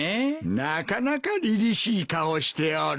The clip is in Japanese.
なかなかりりしい顔をしておる。